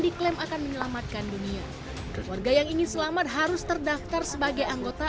diklaim akan menyelamatkan dunia keluarga yang ingin selamat harus terdaftar sebagai anggota